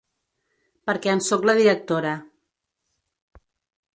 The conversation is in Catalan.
Perquè en sóc la directora.